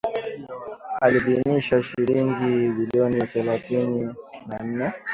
aliidhinisha shilingi bilioni thelathini na nne